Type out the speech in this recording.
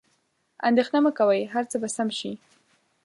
اندیښنه مه کوئ، هر څه به سم شي.